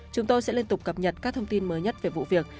chúng tôi sẽ liên tục cập nhật các thông tin mới nhất về vụ việc